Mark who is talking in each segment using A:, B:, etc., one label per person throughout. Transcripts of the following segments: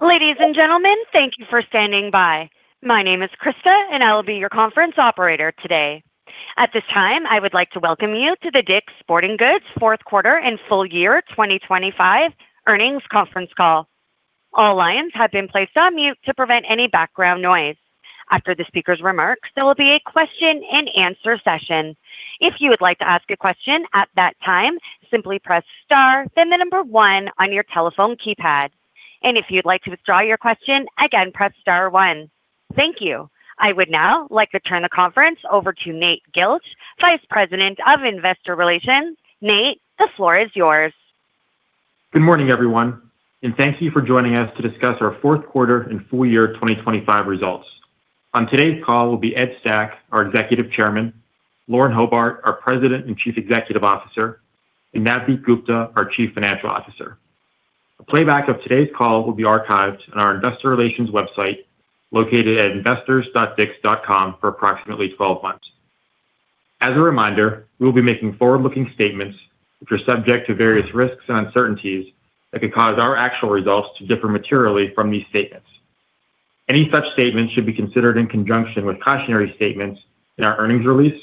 A: Ladies and gentlemen, thank you for standing by. My name is Krista and I'll be your conference operator today. At this time, I would like to welcome you to the DICK'S Sporting Goods fourth quarter and full year 2025 earnings conference call. All lines have been placed on mute to prevent any background noise. After the speaker's remarks, there will be a question-and-answer session. If you would like to ask a question at that time, simply press star, then the number one on your telephone keypad. If you'd like to withdraw your question, again, press star one. Thank you. I would now like to turn the conference over to Nate Gilch, Vice President of Investor Relations. Nate, the floor is yours.
B: Good morning, everyone, and thank you for joining us to discuss our fourth quarter and full year 2025 results. On today's call will be Ed Stack, our Executive Chairman, Lauren Hobart, our President and Chief Executive Officer, and Navdeep Gupta, our Chief Financial Officer. A playback of today's call will be archived on our investor relations website located at investors.dicks.com for approximately 12 months. As a reminder, we'll be making forward-looking statements, which are subject to various risks and uncertainties that could cause our actual results to differ materially from these statements. Any such statements should be considered in conjunction with cautionary statements in our earnings release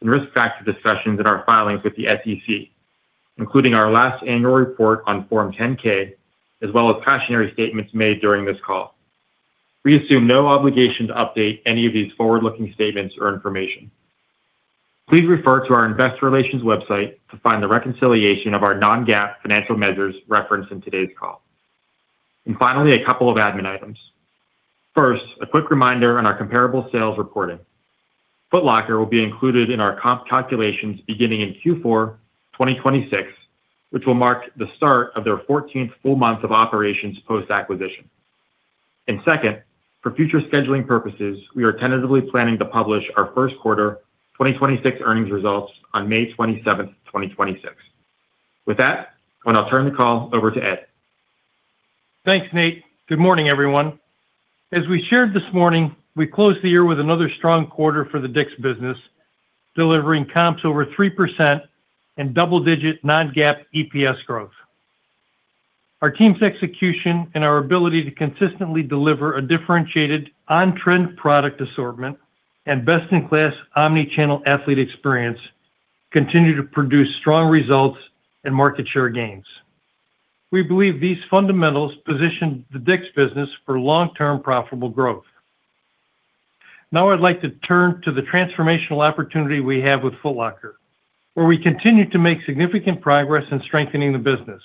B: and risk factor discussions in our filings with the SEC, including our last annual report on Form 10-K as well as cautionary statements made during this call. We assume no obligation to update any of these forward-looking statements or information. Please refer to our investor relations website to find the reconciliation of our non-GAAP financial measures referenced in today's call. Finally, a couple of admin items. First, a quick reminder on our comparable sales reporting. Foot Locker will be included in our comp calculations beginning in Q4 2026, which will mark the start of their fourteenth full month of operations post-acquisition. Second, for future scheduling purposes, we are tentatively planning to publish our first quarter 2026 earnings results on May 27th, 2026. With that, well, I'll turn the call over to Ed.
C: Thanks, Nate. Good morning, everyone. As we shared this morning, we closed the year with another strong quarter for the DICK'S business, delivering comps over 3% and double-digit non-GAAP EPS growth. Our team's execution and our ability to consistently deliver a differentiated on-trend product assortment and best-in-class omni-channel athlete experience continue to produce strong results and market share gains. We believe these fundamentals position the DICK'S business for long-term profitable growth. Now I'd like to turn to the transformational opportunity we have with Foot Locker, where we continue to make significant progress in strengthening the business.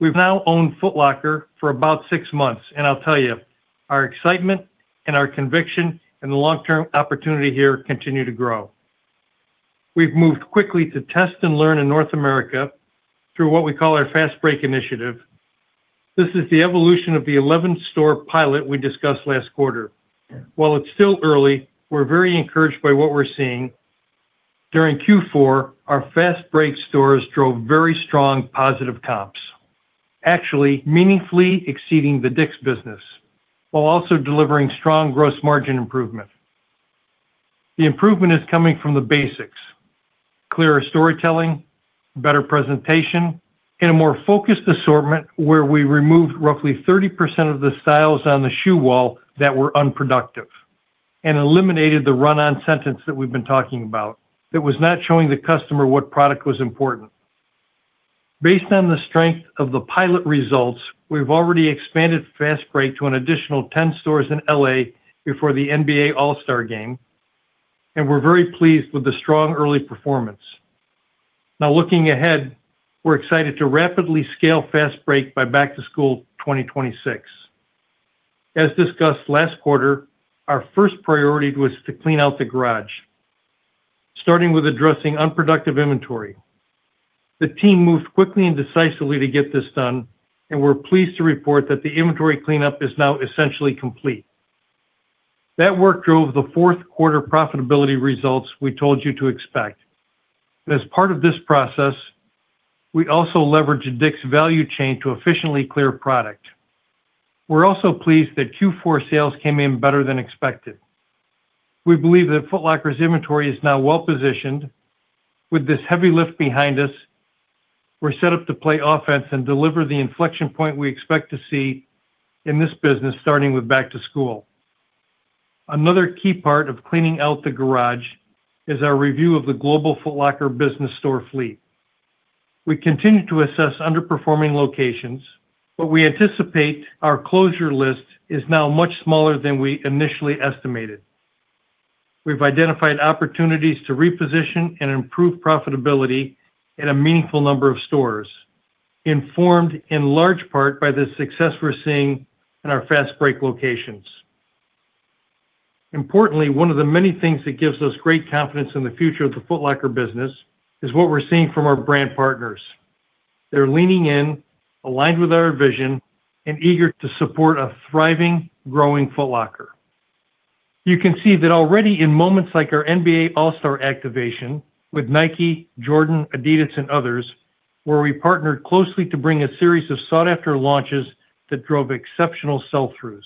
C: We've now owned Foot Locker for about six months, and I'll tell you, our excitement and our conviction and the long-term opportunity here continue to grow. We've moved quickly to test and learn in North America through what we call our Fast Break initiative. This is the evolution of the 11-store pilot we discussed last quarter. While it's still early, we're very encouraged by what we're seeing. During Q4, our Fast Break stores drove very strong positive comps, actually meaningfully exceeding the DICK'S business while also delivering strong gross margin improvement. The improvement is coming from the basics, clearer storytelling, better presentation, and a more focused assortment where we removed roughly 30% of the styles on the shoe wall that were unproductive and eliminated the run-on sentence that we've been talking about that was not showing the customer what product was important. Based on the strength of the pilot results, we've already expanded Fast Break to an additional 10 stores in L.A. before the NBA All-Star game, and we're very pleased with the strong early performance. Now looking ahead, we're excited to rapidly scale Fast Break by back-to-school 2026. As discussed last quarter, our first priority was to clean out the garage, starting with addressing unproductive inventory. The team moved quickly and decisively to get this done, and we're pleased to report that the inventory cleanup is now essentially complete. That work drove the fourth quarter profitability results we told you to expect. As part of this process, we also leveraged DICK'S value chain to efficiently clear product. We're also pleased that Q4 sales came in better than expected. We believe that Foot Locker's inventory is now well-positioned. With this heavy lift behind us, we're set up to play offense and deliver the inflection point we expect to see in this business starting with back to school. Another key part of cleaning out the garage is our review of the global Foot Locker business store fleet. We continue to assess underperforming locations, but we anticipate our closure list is now much smaller than we initially estimated. We've identified opportunities to reposition and improve profitability in a meaningful number of stores, informed in large part by the success we're seeing in our Fast Break locations. Importantly, one of the many things that gives us great confidence in the future of the Foot Locker business is what we're seeing from our brand partners. They're leaning in, aligned with our vision, and eager to support a thriving, growing Foot Locker. You can see that already in moments like our NBA All-Star activation with Nike, Jordan, Adidas, and others, where we partnered closely to bring a series of sought-after launches that drove exceptional sell-throughs.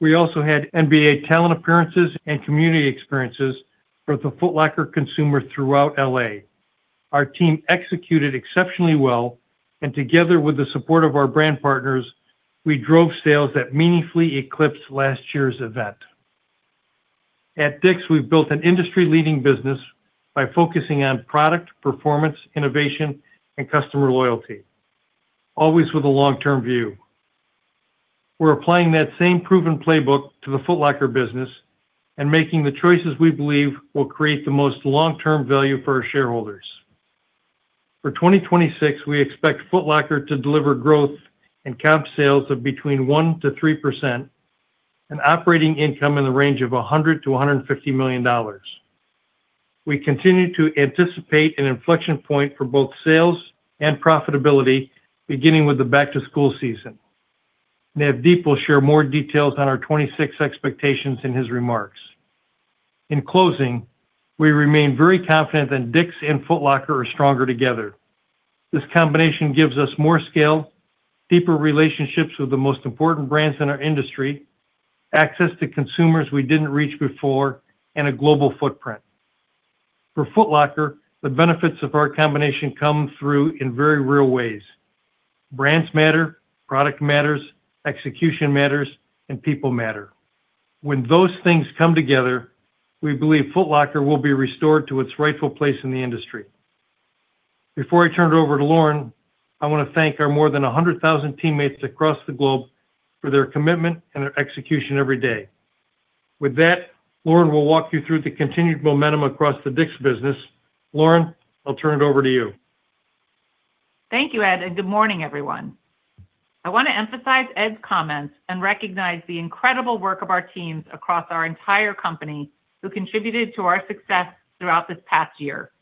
C: We also had NBA talent appearances and community experiences for the Foot Locker consumer throughout L.A. Our team executed exceptionally well, and together with the support of our brand partners, we drove sales that meaningfully eclipsed last year's event. At DICK'S, we've built an industry-leading business by focusing on product, performance, innovation, and customer loyalty, always with a long-term view. We're applying that same proven playbook to the Foot Locker business and making the choices we believe will create the most long-term value for our shareholders. For 2026, we expect Foot Locker to deliver growth and comp sales of between 1%-3%, and operating income in the range of $100 million-$150 million. We continue to anticipate an inflection point for both sales and profitability beginning with the back-to-school season. Navdeep will share more details on our 2026 expectations in his remarks. In closing, we remain very confident that DICK'S and Foot Locker are stronger together. This combination gives us more scale, deeper relationships with the most important brands in our industry, access to consumers we didn't reach before, and a global footprint. For Foot Locker, the benefits of our combination come through in very real ways. Brands matter, product matters, execution matters, and people matter. When those things come together, we believe Foot Locker will be restored to its rightful place in the industry. Before I turn it over to Lauren, I want to thank our more than 100,000 teammates across the globe for their commitment and their execution every day. With that, Lauren will walk you through the continued momentum across the DICK'S business. Lauren, I'll turn it over to you.
D: Thank you, Ed, and good morning, everyone. I want to emphasize Ed's comments and recognize the incredible work of our teams across our entire company who contributed to our success throughout this past year.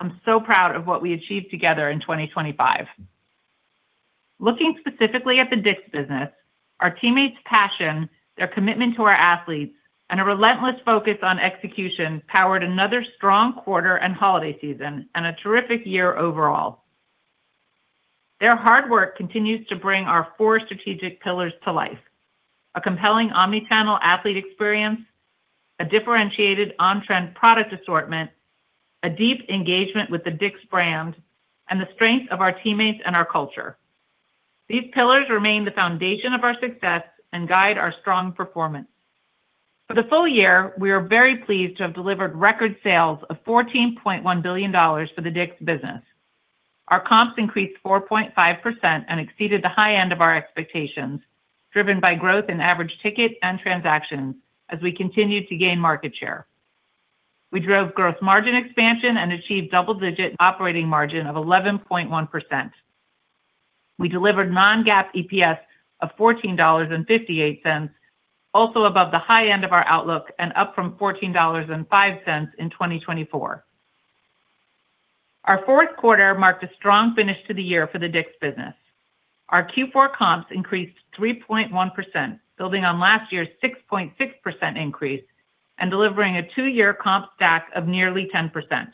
D: I'm so proud of what we achieved together in 2025. Looking specifically at the DICK'S business, our teammates' passion, their commitment to our athletes, and a relentless focus on execution powered another strong quarter and holiday season and a terrific year overall. Their hard work continues to bring our four strategic pillars to life. A compelling omnichannel athlete experience, a differentiated on-trend product assortment, a deep engagement with the DICK'S brand, and the strength of our teammates and our culture. These pillars remain the foundation of our success and guide our strong performance. For the full year, we are very pleased to have delivered record sales of $14.1 billion for the DICK'S business. Our comps increased 4.5% and exceeded the high end of our expectations, driven by growth in average ticket and transactions as we continued to gain market share. We drove gross margin expansion and achieved double-digit operating margin of 11.1%. We delivered non-GAAP EPS of $14.58, also above the high end of our outlook and up from $14.05 in 2024. Our fourth quarter marked a strong finish to the year for the DICK'S business. Our Q4 comps increased 3.1%, building on last year's 6.6% increase and delivering a two-year comp stack of nearly 10%.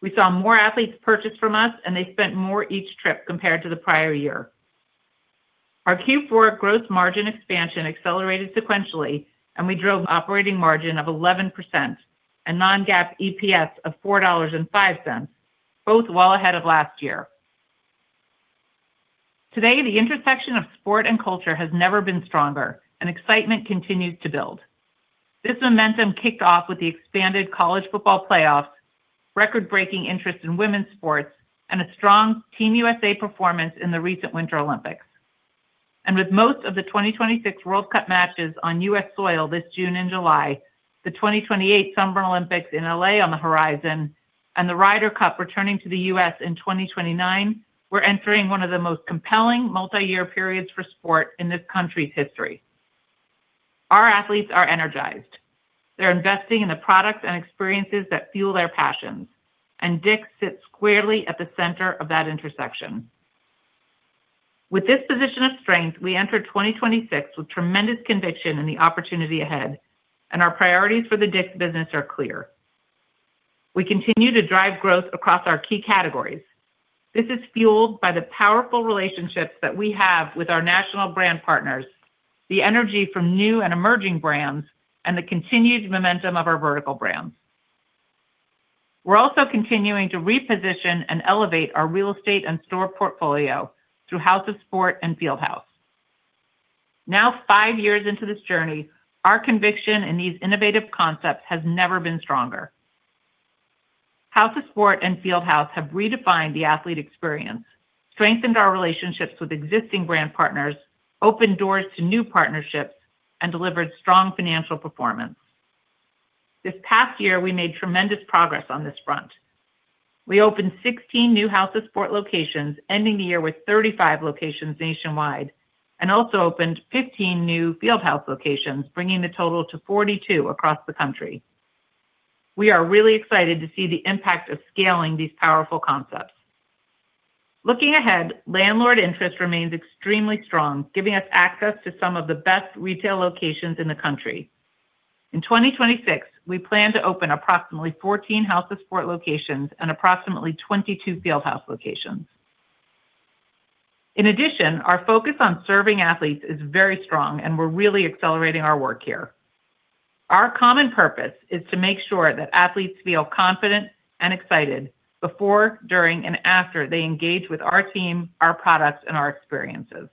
D: We saw more athletes purchase from us, and they spent more each trip compared to the prior year. Our Q4 gross margin expansion accelerated sequentially, and we drove operating margin of 11%, a non-GAAP EPS of $4.05, both well ahead of last year. Today, the intersection of sport and culture has never been stronger, and excitement continues to build. This momentum kicked off with the expanded College Football Playoff, record-breaking interest in women's sports, and a strong Team USA performance in the recent Winter Olympics. With most of the 2026 World Cup matches on U.S. soil this June and July, the 2028 Summer Olympics in L.A. on the horizon, and the Ryder Cup returning to the U.S. in 2029, we're entering one of the most compelling multi-year periods for sport in this country's history. Our athletes are energized. They're investing in the products and experiences that fuel their passions, and DICK'S sits squarely at the center of that intersection. With this position of strength, we enter 2026 with tremendous conviction in the opportunity ahead, and our priorities for the DICK'S business are clear. We continue to drive growth across our key categories. This is fueled by the powerful relationships that we have with our national brand partners, the energy from new and emerging brands, and the continued momentum of our vertical brands. We're also continuing to reposition and elevate our real estate and store portfolio through House of Sport and Field House. Now five years into this journey, our conviction in these innovative concepts has never been stronger. House of Sport and Field House have redefined the athlete experience, strengthened our relationships with existing brand partners, opened doors to new partnerships, and delivered strong financial performance. This past year, we made tremendous progress on this front. We opened 16 new House of Sport locations, ending the year with 35 locations nationwide, and also opened 15 new Field House locations, bringing the total to 42 across the country. We are really excited to see the impact of scaling these powerful concepts. Looking ahead, landlord interest remains extremely strong, giving us access to some of the best retail locations in the country. In 2026, we plan to open approximately 14 House of Sport locations and approximately 22 Field House locations. In addition, our focus on serving athletes is very strong, and we're really accelerating our work here. Our common purpose is to make sure that athletes feel confident and excited before, during, and after they engage with our team, our products, and our experiences.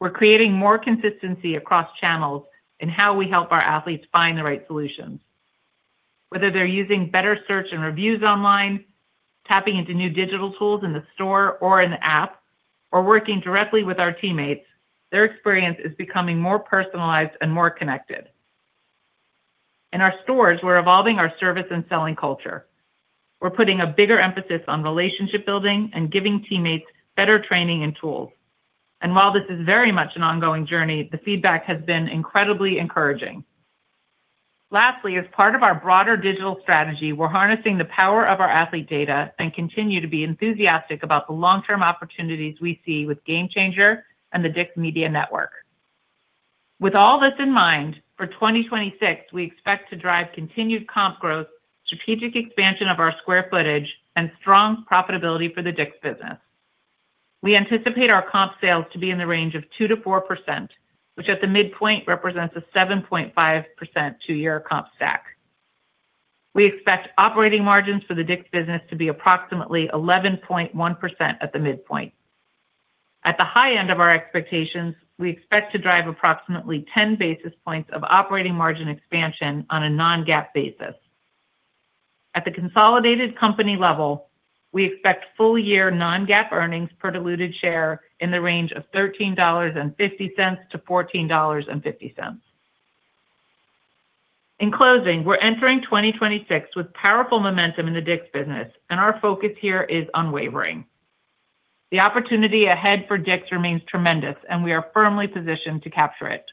D: We're creating more consistency across channels in how we help our athletes find the right solutions. Whether they're using better search and reviews online, tapping into new digital tools in the store or in the app, or working directly with our teammates, their experience is becoming more personalized and more connected. In our stores, we're evolving our service and selling culture. We're putting a bigger emphasis on relationship building and giving teammates better training and tools. While this is very much an ongoing journey, the feedback has been incredibly encouraging. Lastly, as part of our broader digital strategy, we're harnessing the power of our athlete data and continue to be enthusiastic about the long-term opportunities we see with GameChanger and the DICK'S Media Network. With all this in mind, for 2026, we expect to drive continued comp growth, strategic expansion of our square footage, and strong profitability for the DICK'S business. We anticipate our comp sales to be in the range of 2%-4%, which at the midpoint represents a 7.5% two-year comp stack. We expect operating margins for the DICK'S business to be approximately 11.1% at the midpoint. At the high end of our expectations, we expect to drive approximately 10 basis points of operating margin expansion on a non-GAAP basis. At the consolidated company level, we expect full-year non-GAAP earnings per diluted share in the range of $13.50-$14.50. In closing, we're entering 2026 with powerful momentum in the Dick's business, and our focus here is unwavering. The opportunity ahead for DICK'S remains tremendous, and we are firmly positioned to capture it.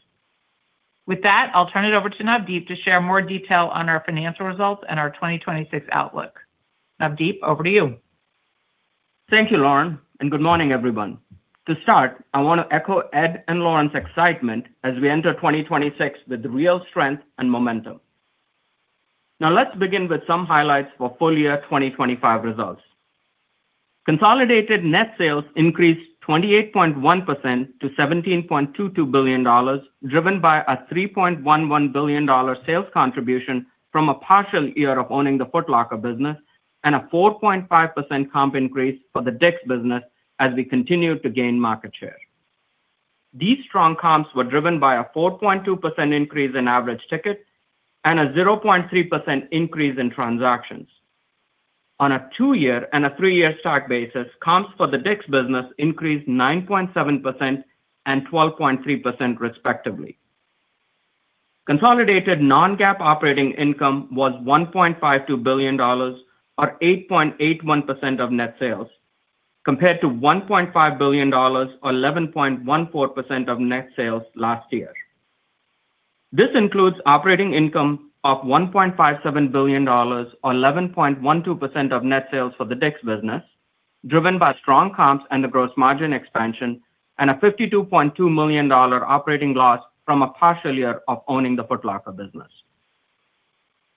D: With that, I'll turn it over to Navdeep to share more detail on our financial results and our 2026 outlook. Navdeep, over to you.
E: Thank you, Lauren, and good morning, everyone. To start, I want to echo Ed and Lauren's excitement as we enter 2026 with real strength and momentum. Now let's begin with some highlights for full-year 2025 results. Consolidated net sales increased 28.1% to $17.22 billion, driven by a $3.11 billion sales contribution from a partial year of owning the Foot Locker business and a 4.5% comp increase for the DICK'S business as we continued to gain market share. These strong comps were driven by a 4.2% increase in average ticket and a 0.3% increase in transactions. On a two-year and a three-year stacked basis, comps for the DICK'S business increased 9.7% and 12.3% respectively. Consolidated non-GAAP operating income was $1.52 billion or 8.81% of net sales compared to $1.5 billion or 11.14% of net sales last year. This includes operating income of $1.57 billion or 11.12% of net sales for the DICK'S business, driven by strong comps and the gross margin expansion and a $52.2 million operating loss from a partial year of owning the Foot Locker business.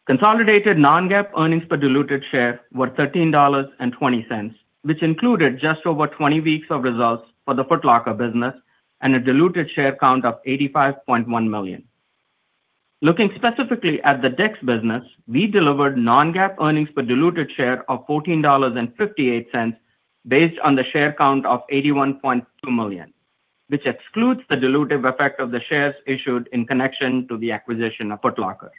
E: Consolidated non-GAAP earnings per diluted share were $13.20, which included just over 20 weeks of results for the Foot Locker business and a diluted share count of 85.1 million. Looking specifically at the DICK'S business, we delivered non-GAAP earnings per diluted share of $14.58 based on the share count of 81.2 million, which excludes the dilutive effect of the shares issued in connection to the acquisition of Foot Locker.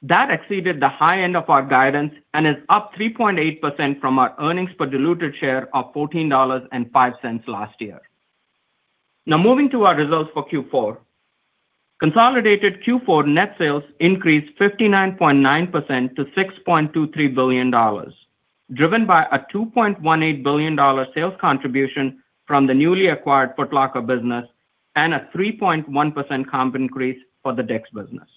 E: That exceeded the high end of our guidance and is up 3.8% from our earnings per diluted share of $14.05 last year. Now moving to our results for Q4. Consolidated Q4 net sales increased 59.9% to $6.23 billion, driven by a $2.18 billion sales contribution from the newly acquired Foot Locker business and a 3.1% comp increase for the DICK'S business.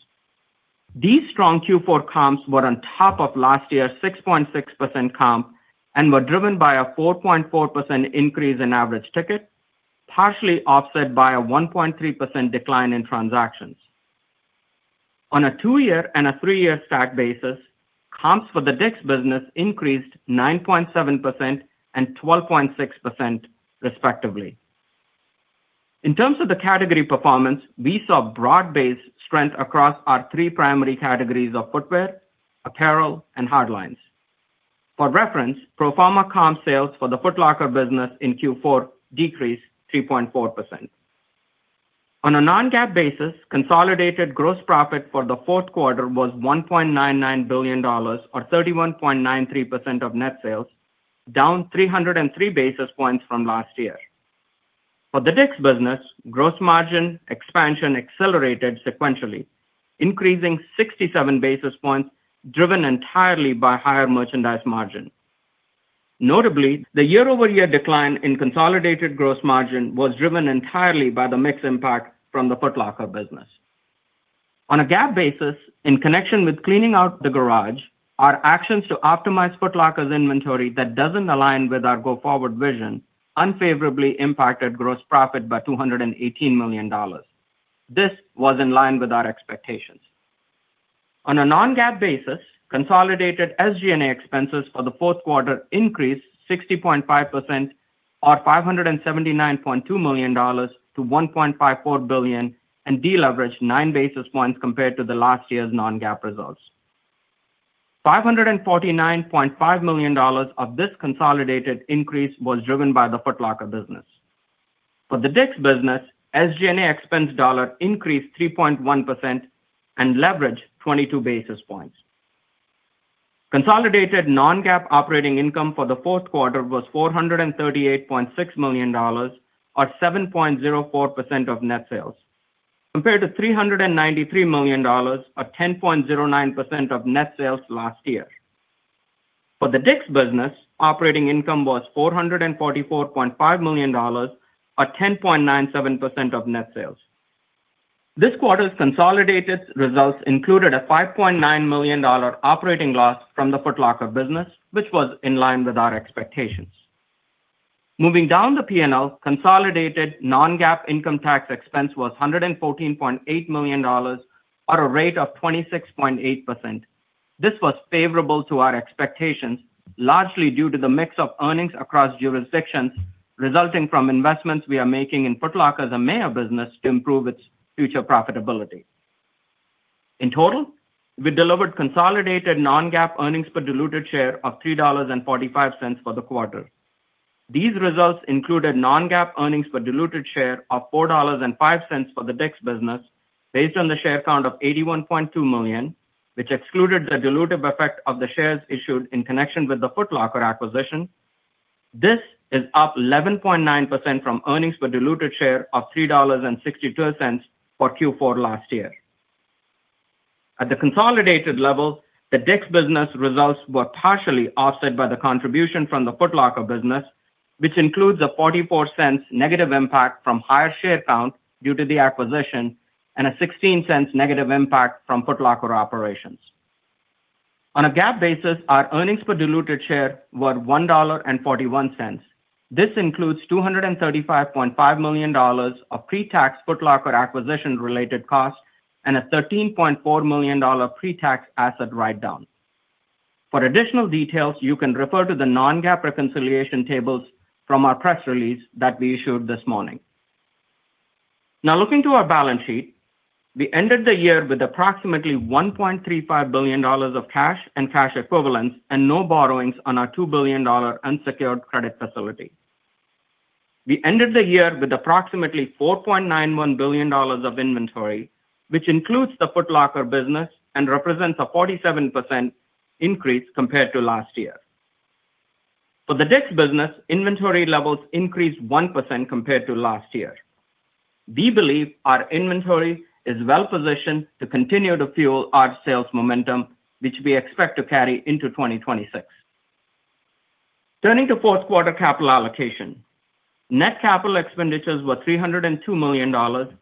E: These strong Q4 comps were on top of last year's 6.6% comp and were driven by a 4.4% increase in average ticket, partially offset by a 1.3% decline in transactions. On a two-year and a three-year stack basis, comps for the DICK'S business increased 9.7% and 12.6% respectively. In terms of the category performance, we saw broad-based strength across our three primary categories of footwear, apparel, and hard lines. For reference, pro forma comp sales for the Foot Locker business in Q4 decreased 3.4%. On a non-GAAP basis, consolidated gross profit for the fourth quarter was $1.99 billion or 31.93% of net sales, down 303 basis points from last year. For the DICK'S business, gross margin expansion accelerated sequentially, increasing 67 basis points, driven entirely by higher merchandise margin. Notably, the year-over-year decline in consolidated gross margin was driven entirely by the mix impact from the Foot Locker business. On a GAAP basis, in connection with cleaning out the garage, our actions to optimize Foot Locker's inventory that doesn't align with our go-forward vision. Unfavorably impacted gross profit by $218 million. This was in line with our expectations. On a non-GAAP basis, consolidated SG&A expenses for the fourth quarter increased 60.5% or $579.2 million-$1.54 billion and deleveraged 9 basis points compared to the last year's non-GAAP results. $549.5 million of this consolidated increase was driven by the Foot Locker business. For the DICK'S business, SG&A expense dollars increased 3.1% and leveraged 22 basis points. Consolidated non-GAAP operating income for the fourth quarter was $438.6 million or 7.04% of net sales, compared to $393 million or 10.09% of net sales last year. For the DICK'S business, operating income was $444.5 million or 10.97% of net sales. This quarter's consolidated results included a $5.9 million operating loss from the Foot Locker business, which was in line with our expectations. Moving down the P&L, consolidated non-GAAP income tax expense was $114.8 million at a rate of 26.8%. This was favorable to our expectations, largely due to the mix of earnings across jurisdictions resulting from investments we are making in Foot Locker's EMEA business to improve its future profitability. In total, we delivered consolidated non-GAAP earnings per diluted share of $3.45 for the quarter. These results included non-GAAP earnings per diluted share of $4.05 for the DICK'S business based on the share count of 81.2 million, which excluded the dilutive effect of the shares issued in connection with the Foot Locker acquisition. This is up 11.9% from earnings per diluted share of $3.62 for Q4 last Year. At the consolidated level, the DICK'S business results were partially offset by the contribution from the Foot Locker business, which includes a $0.44 negative impact from higher share count due to the acquisition and a $0.16 negative impact from Foot Locker operations. On a GAAP basis, our earnings per diluted share were $1.41. This includes $235.5 million of pre-tax Foot Locker acquisition-related costs and a $13.4 million pre-tax asset write-down. For additional details, you can refer to the non-GAAP reconciliation tables from our press release that we issued this morning. Now looking to our balance sheet, we ended the year with approximately $1.35 billion of cash and cash equivalents and no borrowings on our $2 billion unsecured credit facility. We ended the year with approximately $4.91 billion of inventory, which includes the Foot Locker business and represents a 47% increase compared to last year. For the DICK'S business, inventory levels increased 1% compared to last year. We believe our inventory is well-positioned to continue to fuel our sales momentum, which we expect to carry into 2026. Turning to fourth quarter capital allocation. Net capital expenditures were $302 million,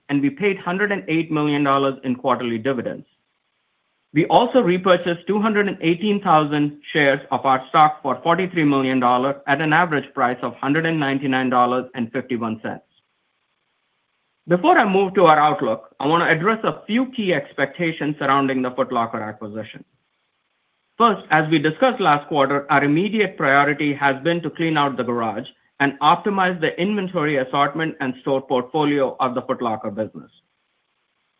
E: and we paid $108 million in quarterly dividends. We also repurchased 218,000 shares of our stock for $43 million at an average price of $199.51. Before I move to our outlook, I wanna address a few key expectations surrounding the Foot Locker acquisition. First, as we discussed last quarter, our immediate priority has been to clean out the garage and optimize the inventory assortment and store portfolio of the Foot Locker business.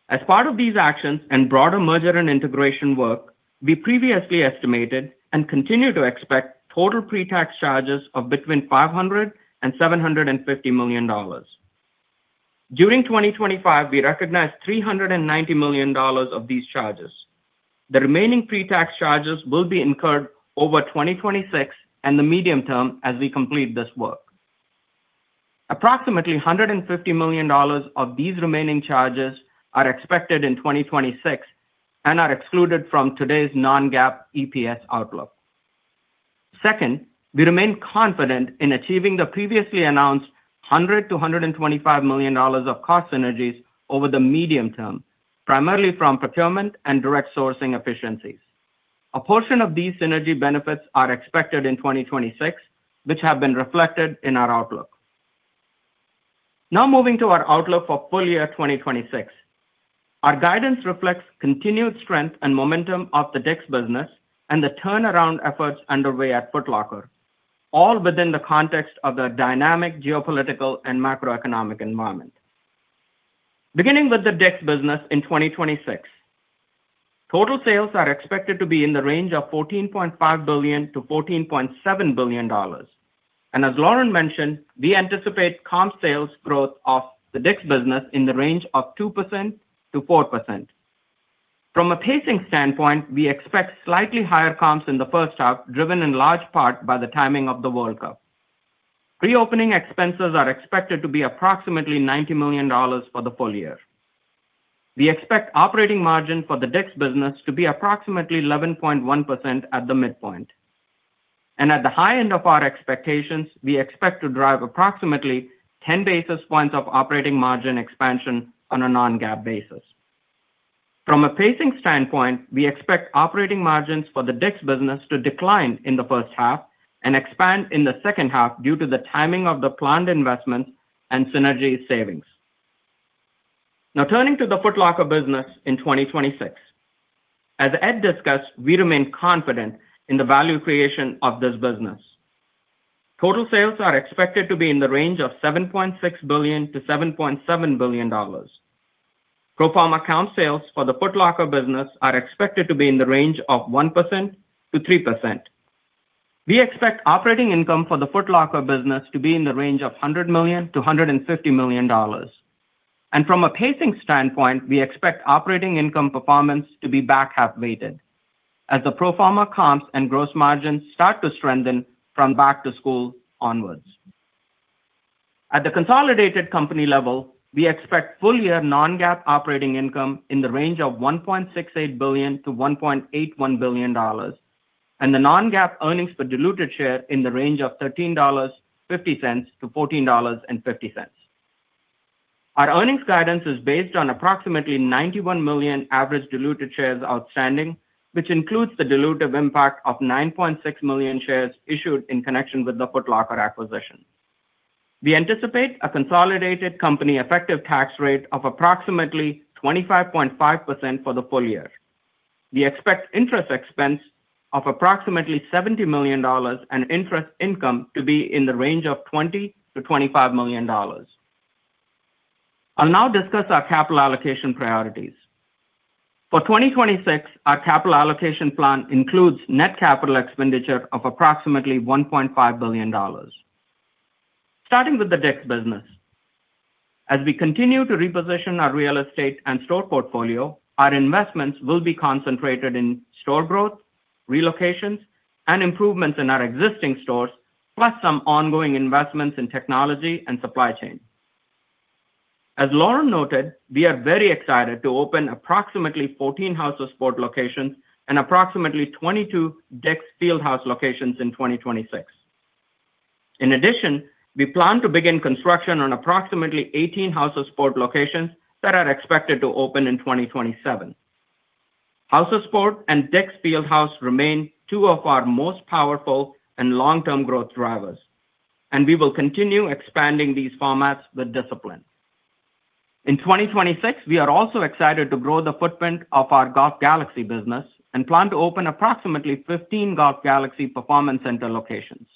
E: As part of these actions and broader merger and integration work, we previously estimated and continue to expect total pre-tax charges of between $500 million and $750 million. During 2025, we recognized $390 million of these charges. The remaining pre-tax charges will be incurred over 2026 and the medium term as we complete this work. Approximately $150 million of these remaining charges are expected in 2026 and are excluded from today's non-GAAP EPS outlook. Second, we remain confident in achieving the previously announced $100 million-$125 million of cost synergies over the medium term, primarily from procurement and direct sourcing efficiencies. A portion of these synergy benefits are expected in 2026, which have been reflected in our outlook. Now moving to our outlook for full year 2026. Our guidance reflects continued strength and momentum of the DICK'S business and the turnaround efforts underway at Foot Locker, all within the context of the dynamic geopolitical and macroeconomic environment. Beginning with the DICK'S business in 2026, total sales are expected to be in the range of $14.5 billion-$14.7 billion. As Lauren mentioned, we anticipate comp sales growth of the DICK'S business in the range of 2%-4%. From a pacing standpoint, we expect slightly higher comps in the first half, driven in large part by the timing of the World Cup. Reopening expenses are expected to be approximately $90 million for the full year. We expect operating margin for the DICK'S business to be approximately 11.1% at the midpoint. At the high end of our expectations, we expect to drive approximately 10 basis points of operating margin expansion on a non-GAAP basis. From a pacing standpoint, we expect operating margins for the DICK'S business to decline in the first half and expand in the second half due to the timing of the planned investments and synergy savings. Now turning to the Foot Locker business in 2026. As Ed discussed, we remain confident in the value creation of this business. Total sales are expected to be in the range of $7.6 billion-$7.7 billion. Pro forma comp sales for the Foot Locker business are expected to be in the range of 1%-3%. We expect operating income for the Foot Locker business to be in the range of $100 million-$150 million. From a pacing standpoint, we expect operating income performance to be back-half weighted as the pro forma comps and gross margins start to strengthen from back-to-school onwards. At the consolidated company level, we expect full-year non-GAAP operating income in the range of $1.68 billion-$1.81 billion, and the non-GAAP earnings per diluted share in the range of $13.50-$14.50. Our earnings guidance is based on approximately 91 million average diluted shares outstanding, which includes the dilutive impact of 9.6 million shares issued in connection with the Foot Locker acquisition. We anticipate a consolidated company effective tax rate of approximately 25.5% for the full year. We expect interest expense of approximately $70 million and interest income to be in the range of $20-$25 million. I'll now discuss our capital allocation priorities. For 2026, our capital allocation plan includes net capital expenditure of approximately $1.5 billion. Starting with the DICK'S business, as we continue to reposition our real estate and store portfolio, our investments will be concentrated in store growth, relocations, and improvements in our existing stores, plus some ongoing investments in technology and supply chain. As Lauren noted, we are very excited to open approximately 14 House of Sport locations and approximately 22 DICK'S Field House locations in 2026. In addition, we plan to begin construction on approximately 18 House of Sport locations that are expected to open in 2027. House of Sport and DICK'S Field House remain two of our most powerful and long-term growth drivers, and we will continue expanding these formats with discipline. In 2026, we are also excited to grow the footprint of our Golf Galaxy business and plan to open approximately 15 Golf Galaxy Performance Center locations.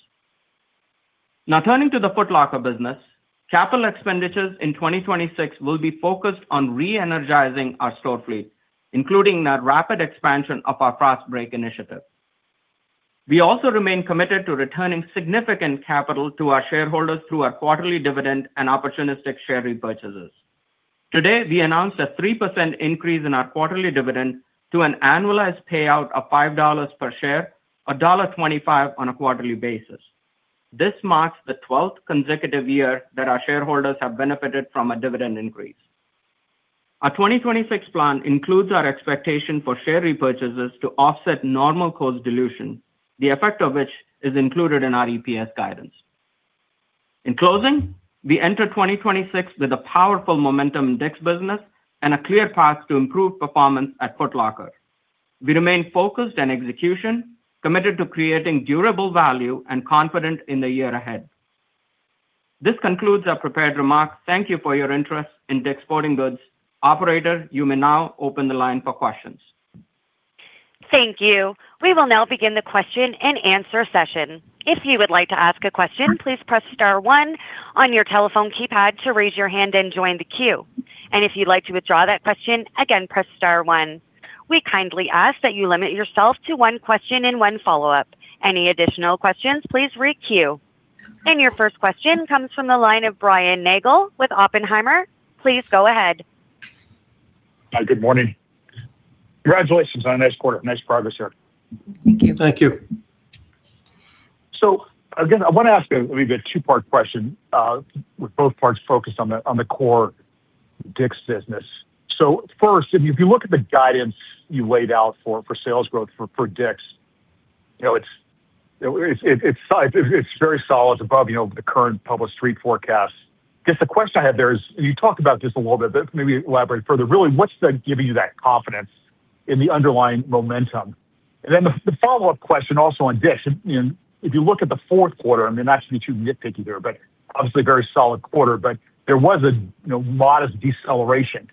E: Now turning to the Foot Locker business, capital expenditures in 2026 will be focused on re-energizing our store fleet, including the rapid expansion of our Fast Break initiative. We also remain committed to returning significant capital to our shareholders through our quarterly dividend and opportunistic share repurchases. Today, we announced a 3% increase in our quarterly dividend to an annualized payout of $5 per share, $1.25 on a quarterly basis. This marks the 12th consecutive year that our shareholders have benefited from a dividend increase. Our 2026 plan includes our expectation for share repurchases to offset normal course dilution, the effect of which is included in our EPS guidance. In closing, we enter 2026 with a powerful momentum in DICK'S business and a clear path to improved performance at Foot Locker. We remain focused on execution, committed to creating durable value, and confident in the year ahead. This concludes our prepared remarks. Thank you for your interest in DICK'S Sporting Goods. Operator, you may now open the line for questions.
A: Thank you. We will now begin the question and answer session. If you would like to ask a question, please press star one on your telephone keypad to raise your hand and join the queue. If you'd like to withdraw that question, again, press star one. We kindly ask that you limit yourself to one question and one follow-up. Any additional questions, please re-queue. Your first question comes from the line of Brian Nagel with Oppenheimer. Please go ahead.
F: Hi. Good morning. Congratulations on a nice quarter. Nice progress here.
D: Thank you.
E: Thank you.
F: Again, I wanna ask a maybe a two-part question with both parts focused on the core DICK'S business. First, if you look at the guidance you laid out for sales growth for DICK'S, you know, it's very solid above, you know, the current published street forecast. Just the question I had there is you talked about this a little bit, but maybe elaborate further. Really, what's giving you that confidence in the underlying momentum? Then the follow-up question also on DICK'S, and if you look at the fourth quarter, I mean, not actually to get picky there, but obviously a very solid quarter, but there was a you know, modest deceleration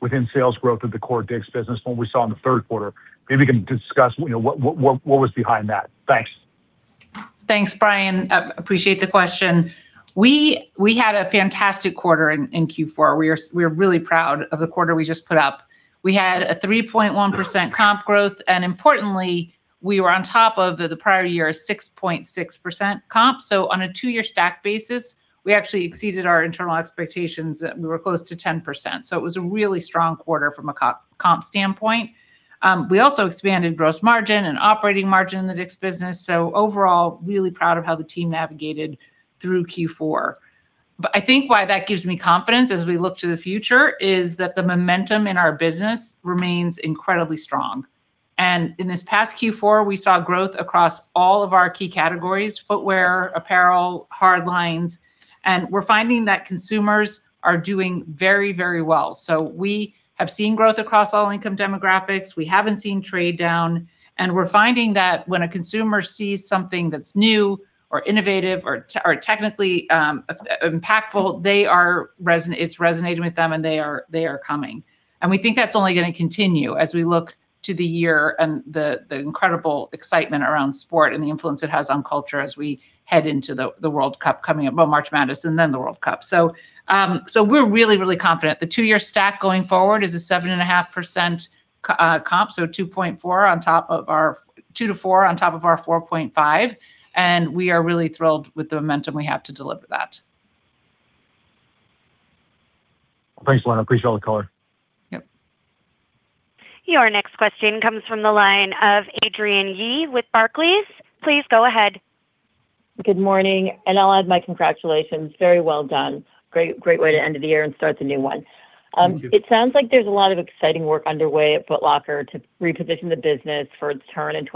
F: within sales growth of the core DICK'S business from what we saw in the third quarter. Maybe you can discuss, you know, what was behind that. Thanks.
D: Thanks, Brian. Appreciate the question. We had a fantastic quarter in Q4. We are really proud of the quarter we just put up. We had a 3.1% comp growth, and importantly, we were on top of the prior year's 6.6% comp. On a two-year stack basis, we actually exceeded our internal expectations, and we were close to 10%, so it was a really strong quarter from a comp standpoint. We also expanded gross margin and operating margin in the DICK'S business, so overall, really proud of how the team navigated through Q4. I think why that gives me confidence as we look to the future is that the momentum in our business remains incredibly strong. In this past Q4, we saw growth across all of our key categories, footwear, apparel, hard lines, and we're finding that consumers are doing very, very well. We have seen growth across all income demographics. We haven't seen trade down, and we're finding that when a consumer sees something that's new or innovative or technically impactful, it's resonating with them, and they are coming. We think that's only gonna continue as we look to the year and the incredible excitement around sport and the influence it has on culture as we head into the World Cup coming up. Well, March Madness and then the World Cup. We're really, really confident. The two-year stack going forward is a 7.5% comp, so 2-4 on top of our 4.5, and we are really thrilled with the momentum we have to deliver that.
F: Thanks, Lauren. Appreciate the color.
D: Yep.
A: Your next question comes from the line of Adrienne Yih with Barclays. Please go ahead.
G: Good morning, and I'll add my congratulations. Very well done. Great, great way to end the year and start the new one.
C: Thank you.
G: It sounds like there's a lot of exciting work underway at Foot Locker to reposition the business for its turn in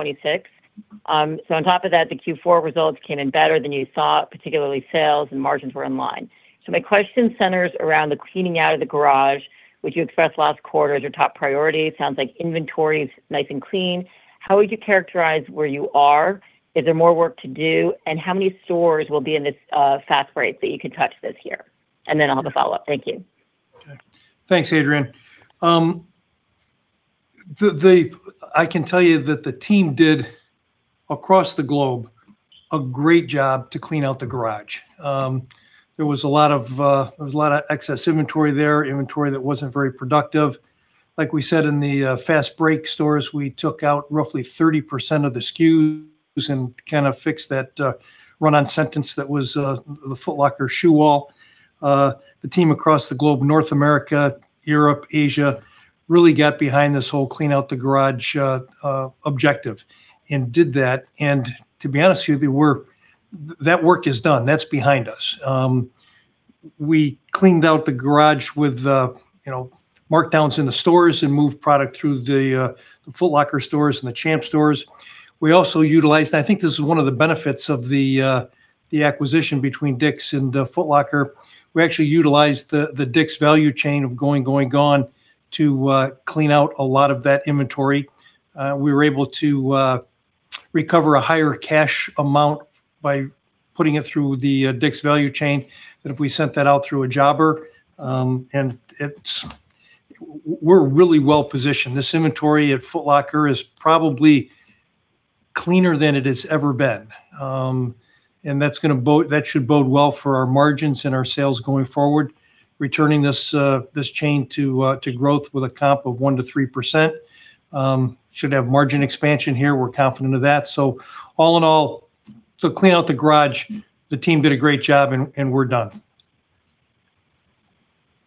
G: 2026. On top of that, the Q4 results came in better than you thought, particularly sales and margins were in line. My question centers around the cleaning out of the garage, which you expressed last quarter as your top priority. Sounds like inventory's nice and clean. How would you characterize where you are? Is there more work to do, and how many stores will be in this Fast Break that you can touch this year? Then I'll have a follow-up. Thank you.
C: Okay. Thanks, Adrienne. I can tell you that the team did, across the globe, a great job to clean out the garage. There was a lot of excess inventory there, inventory that wasn't very productive. Like we said, in the Fast Break stores, we took out roughly 30% of the SKUs and kind of fixed that run-on sentence that was the Foot Locker shoe wall. The team across the globe, North America, Europe, Asia, really got behind this whole clean out the garage objective and did that. To be honest with you, that work is done. That's behind us. We cleaned out the garage with, you know, markdowns in the stores and moved product through the Foot Locker stores and the Champs stores. We also utilized. I think this is one of the benefits of the acquisition between DICK'S and Foot Locker. We actually utilized the DICK'S value chain of Going, Gone! to clean out a lot of that inventory. We were able to recover a higher cash amount by putting it through the DICK'S value chain than if we sent that out through a jobber. We're really well-positioned. This inventory at Foot Locker is probably cleaner than it has ever been. That should bode well for our margins and our sales going forward, returning this chain to growth with a comp of 1%-3%. Should have margin expansion here. We're confident of that. All in all, to clean out the garage, the team did a great job, and we're done.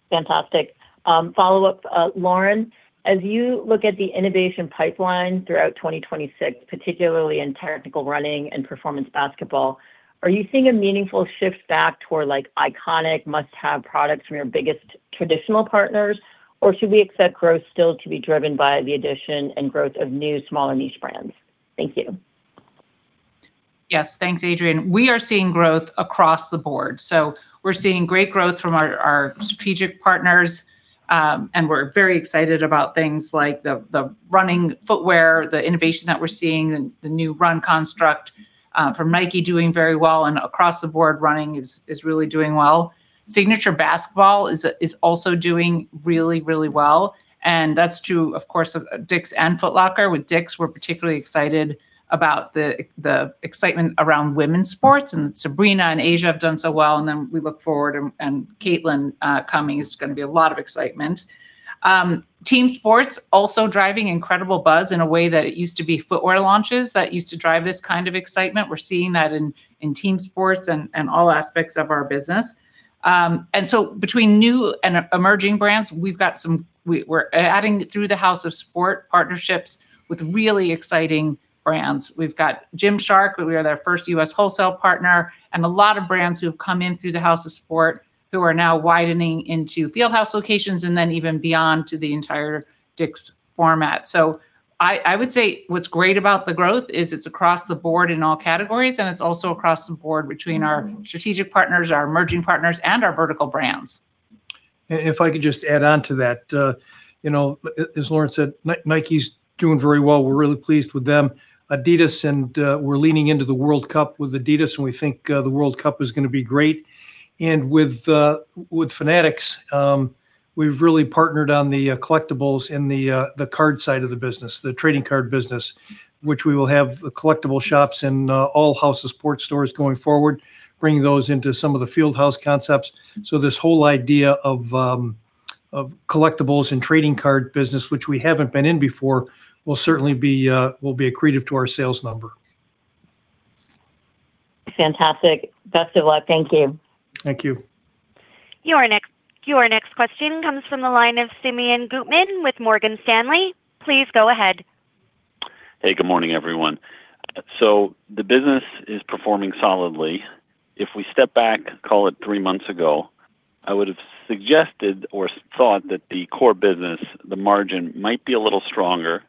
G: Fantastic. Follow-up. Lauren, as you look at the innovation pipeline throughout 2026, particularly in technical running and performance basketball, are you seeing a meaningful shift back toward, like, iconic must-have products from your biggest traditional partners? Or should we expect growth still to be driven by the addition and growth of new, smaller niche brands? Thank you.
D: Yes. Thanks, Adrienne. We are seeing growth across the board. We're seeing great growth from our strategic partners, and we're very excited about things like the running footwear, the innovation that we're seeing and the new run construct from Nike doing very well and across the board running is really doing well. Signature basketball is also doing really well, and that's true, of course, of DICK'S and Foot Locker. With DICK'S, we're particularly excited about the excitement around women's sports, and Sabrina and A'ja have done so well, and then we look forward and Caitlin coming is gonna be a lot of excitement. Team sports also driving incredible buzz in a way that it used to be footwear launches that used to drive this kind of excitement. We're seeing that in team sports and all aspects of our business. Between new and emerging brands, we're adding through the House of Sport partnerships with really exciting brands. We've got Gymshark, where we are their first U.S. wholesale partner, and a lot of brands who have come in through the House of Sport who are now widening into Fieldhouse locations and then even beyond to the entire DICK'S format. I would say what's great about the growth is it's across the board in all categories, and it's also across the board between our strategic partners, our emerging partners, and our vertical brands.
C: If I could just add on to that, you know, as Lauren said, Nike's doing very well. We're really pleased with them. Adidas and we're leaning into the World Cup with Adidas, and we think the World Cup is gonna be great. With Fanatics, we've really partnered on the collectibles and the card side of the business, the trading card business, which we will have collectible shops in all House of Sport stores going forward, bringing those into some of the Fieldhouse concepts. This whole idea of collectibles and trading card business, which we haven't been in before, will certainly be accretive to our sales number.
G: Fantastic. Best of luck. Thank you.
C: Thank you.
A: Your next question comes from the line of Simeon Gutman with Morgan Stanley. Please go ahead.
H: Hey, good morning, everyone. The business is performing solidly. If we step back, call it three months ago, I would have suggested or thought that the core business, the margin might be a little stronger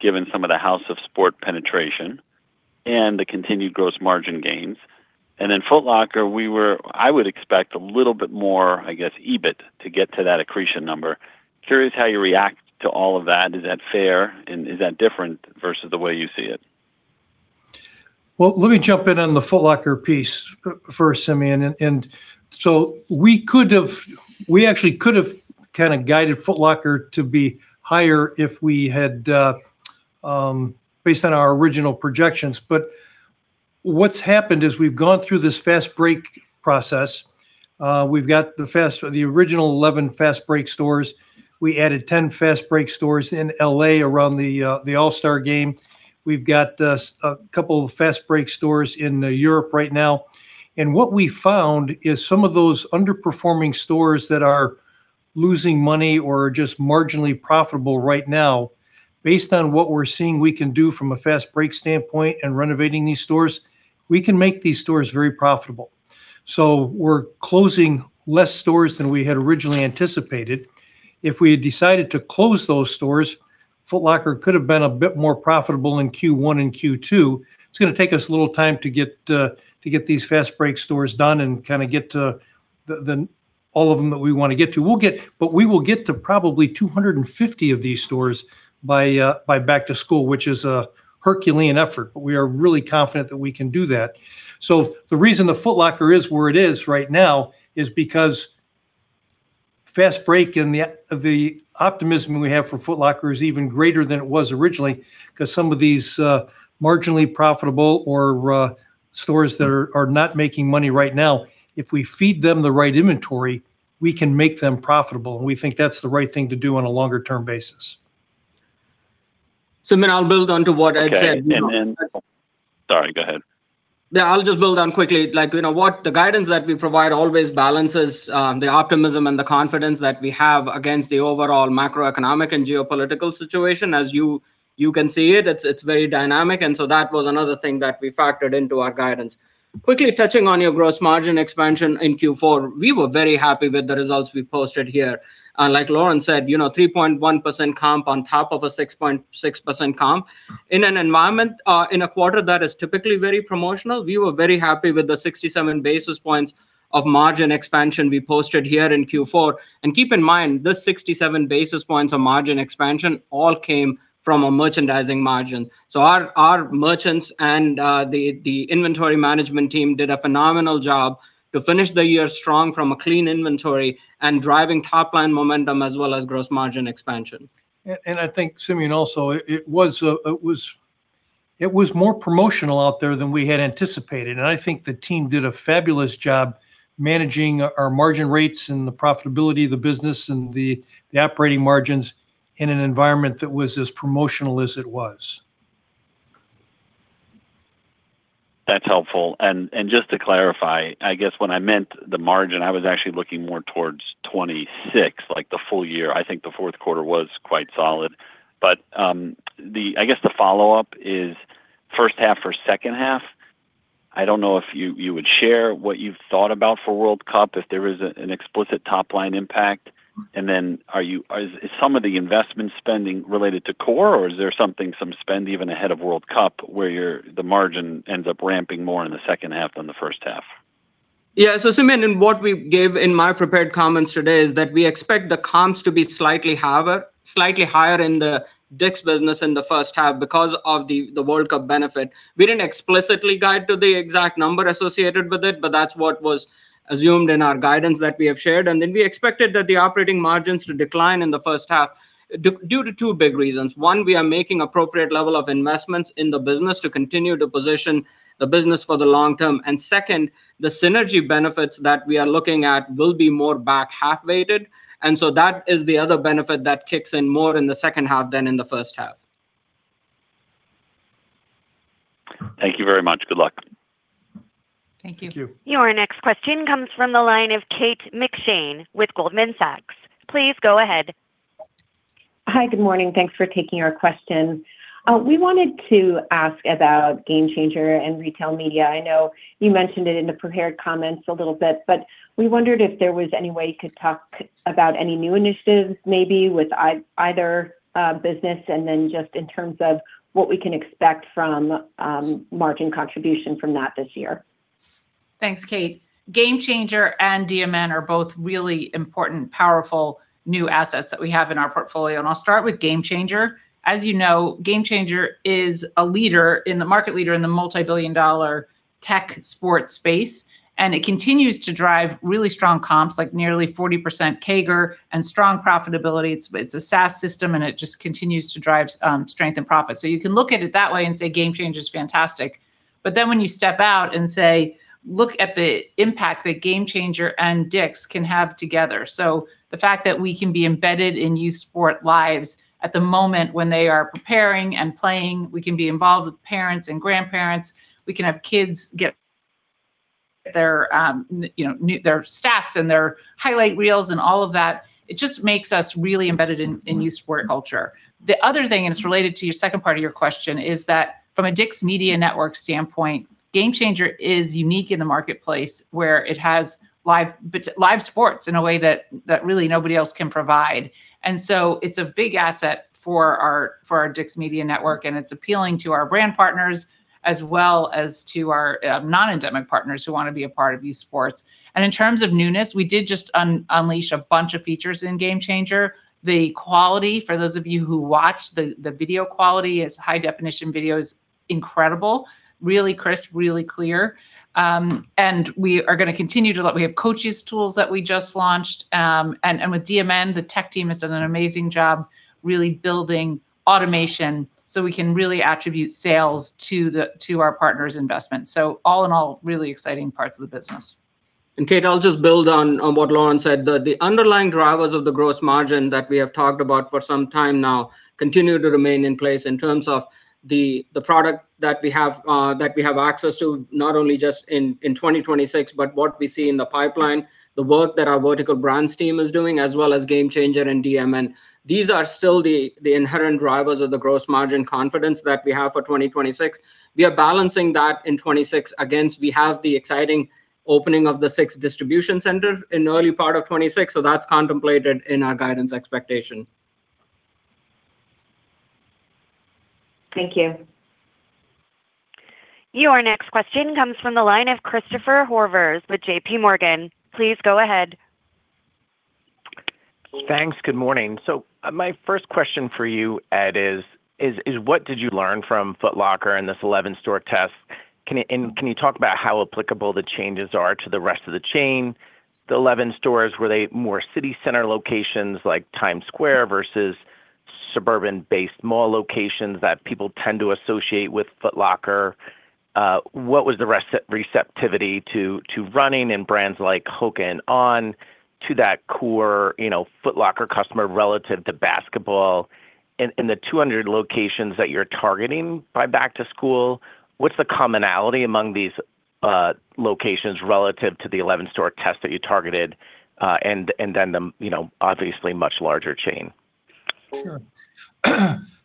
H: given some of the House of Sport penetration and the continued gross margin gains. Then Foot Locker, I would expect a little bit more, I guess, EBIT to get to that accretion number. Curious how you react to all of that. Is that fair and is that different versus the way you see it?
C: Well, let me jump in on the Foot Locker piece first, Simeon. We actually could have kind of guided Foot Locker to be higher if we had based on our original projections. What's happened is we've gone through this Fast Break process. We've got the original 11 Fast Break stores. We added 10 Fast Break stores in L.A. around the All-Star game. We've got a couple of Fast Break stores in Europe right now. What we found is some of those underperforming stores that are losing money or just marginally profitable right now, based on what we're seeing we can do from a Fast Break standpoint and renovating these stores, we can make these stores very profitable. We're closing less stores than we had originally anticipated. If we had decided to close those stores, Foot Locker could have been a bit more profitable in Q1 and Q2. It's gonna take us a little time to get these Fast Break stores done and kinda get to all of them that we wanna get to. We will get to probably 250 of these stores by back-to-school, which is a Herculean effort, but we are really confident that we can do that. The reason the Foot Locker is where it is right now is because Fast Break and the optimism we have for Foot Locker is even greater than it was originally because some of these marginally profitable or stores that are not making money right now, if we feed them the right inventory, we can make them profitable, and we think that's the right thing to do on a longer term basis.
E: Simeon, I'll build on to what Ed said.
H: Okay. Sorry, go ahead.
E: Yeah, I'll just build on quickly. Like, you know what? The guidance that we provide always balances the optimism and the confidence that we have against the overall macroeconomic and geopolitical situation. As you can see it's very dynamic, and so that was another thing that we factored into our guidance. Quickly touching on your gross margin expansion in Q4, we were very happy with the results we posted here. Like Lauren said, you know, 3.1% comp on top of a 6.6% comp. In an environment, in a quarter that is typically very promotional, we were very happy with the 67 basis points of margin expansion we posted here in Q4. Keep in mind, this 67 basis points of margin expansion all came from a merchandising margin. Our merchants and the inventory management team did a phenomenal job to finish the year strong from a clean inventory and driving top-line momentum as well as gross margin expansion.
C: I think, Simeon, also it was more promotional out there than we had anticipated. I think the team did a fabulous job managing our margin rates and the profitability of the business and the operating margins in an environment that was as promotional as it was.
H: That's helpful. Just to clarify, I guess when I meant the margin, I was actually looking more towards 2026, like the full year. I think the fourth quarter was quite solid. I guess the follow-up is first half or second half. I don't know if you would share what you've thought about for World Cup, if there is an explicit top-line impact. Then is some of the investment spending related to core, or is there some spend even ahead of World Cup where the margin ends up ramping more in the second half than the first half?
E: Yeah. Simeon, in what we gave in my prepared comments today is that we expect the comps to be slightly higher in the DICK'S business in the first half because of the World Cup benefit. We didn't explicitly guide to the exact number associated with it, but that's what was assumed in our guidance that we have shared. We expected that the operating margins to decline in the first half due to two big reasons. One, we are making appropriate level of investments in the business to continue to position the business for the long term. Second, the synergy benefits that we are looking at will be more back half-weighted. That is the other benefit that kicks in more in the second half than in the first half.
H: Thank you very much. Good luck.
E: Thank you.
C: Thank you.
A: Your next question comes from the line of Kate McShane with Goldman Sachs. Please go ahead.
I: Hi. Good morning. Thanks for taking our question. We wanted to ask about GameChanger and Retail Media. I know you mentioned it in the prepared comments a little bit, but we wondered if there was any way you could talk about any new initiatives maybe with either business and then just in terms of what we can expect from margin contribution from that this year.
D: Thanks, Kate. GameChanger and DMN are both really important, powerful new assets that we have in our portfolio, and I'll start with GameChanger. As you know, GameChanger is a leader in the market leader in the multi-billion dollar tech sport space, and it continues to drive really strong comps, like nearly 40% CAGR and strong profitability. It's a SaaS system, and it just continues to drive strength and profit. You can look at it that way and say GameChanger is fantastic. When you step out and say, look at the impact that GameChanger and DICK'S can have together. The fact that we can be embedded in youth sports lives at the moment when they are preparing and playing, we can be involved with parents and grandparents, we can have kids get their, you know, their stats and their highlight reels and all of that, it just makes us really embedded in youth sports culture. The other thing, and it's related to your second part of your question, is that from a DICK'S Media Network standpoint, GameChanger is unique in the marketplace where it has live sports in a way that really nobody else can provide. It's a big asset for our DICK'S Media Network, and it's appealing to our brand partners as well as to our non-endemic partners who wanna be a part of youth sports. In terms of newness, we did just unleash a bunch of features in GameChanger. The quality, for those of you who watch the video quality, its high definition video is incredible, really crisp, really clear. We are gonna continue to—we have coaches tools that we just launched, and with DMN, the tech team has done an amazing job really building automation so we can really attribute sales to our partners' investments. All in all, really exciting parts of the business.
E: Kate, I'll just build on what Lauren said. The underlying drivers of the gross margin that we have talked about for some time now continue to remain in place in terms of the product that we have access to, not only just in 2026, but what we see in the pipeline, the work that our vertical brands team is doing, as well as GameChanger and DMN. These are still the inherent drivers of the gross margin confidence that we have for 2026. We are balancing that in 2026 against we have the exciting opening of the sixth distribution center in early part of 2026, so that's contemplated in our guidance expectation.
I: Thank you.
A: Your next question comes from the line of Christopher Horvers with JPMorgan. Please go ahead.
J: Thanks. Good morning. My first question for you, Ed, is what did you learn from Foot Locker and this 11-store test? Can you talk about how applicable the changes are to the rest of the chain? The 11 stores, were they more city center locations like Times Square versus suburban-based mall locations that people tend to associate with Foot Locker? What was the receptivity to running and brands like Hoka and On to that core, you know, Foot Locker customer relative to basketball? And in the 200 locations that you're targeting by back to school, what's the commonality among these locations relative to the 11-store test that you targeted, and then the, you know, obviously much larger chain?
C: Sure.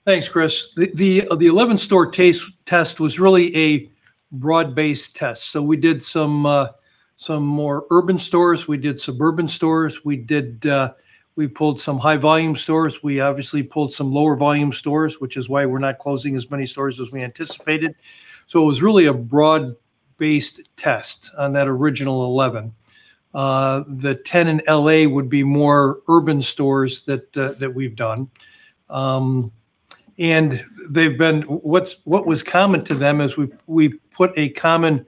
C: Thanks, Chris. The 11-store taste test was really a broad-based test. We did some more urban stores, we did suburban stores, we pulled some high-volume stores, we obviously pulled some lower volume stores, which is why we're not closing as many stores as we anticipated. It was really a broad-based test on that original 11. The 10 in L.A. would be more urban stores that we've done. They've been. What was common to them is we put a common